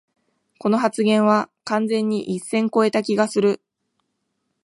この発言は完全に一線こえた気がする